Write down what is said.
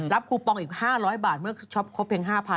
คูปองอีก๕๐๐บาทเมื่อช็อปครบเพียง๕๐๐๐